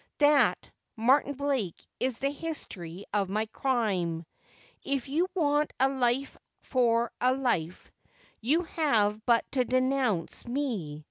That, Morton Blake, is the history of my crime. If you want a life for a life, you have but to denounce me.